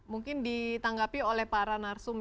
mungkin ditanggapi oleh para narsum